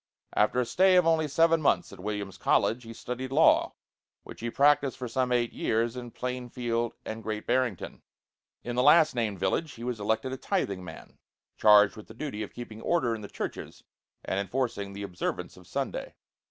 After a stay of only seven months at Williams College, he studied law, which he practiced for some eight years in Plainfield and Great Barrington. In the last named village he was elected a tithingman, charged with the duty of keeping order in the churches and enforcing the observance of Sunday.